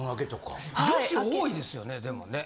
女子多いですよねでもね。